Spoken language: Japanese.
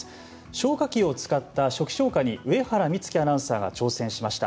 消火器を使った初期消火に上原光紀アナウンサーが挑戦しました。